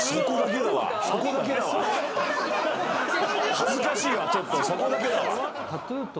恥ずかしいわちょっとそこだけだわ。